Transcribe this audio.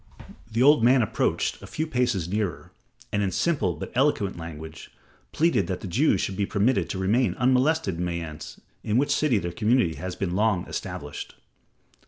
The old man approached a few paces nearer, and in simple, but eloquent language, pleaded that the Jews should be permitted to remain unmolested in Mayence in which city their community had been long established.